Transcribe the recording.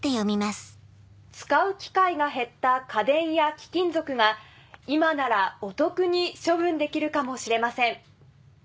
使う機会が減った家電や貴金属が今ならお得に処分できるかもしれません。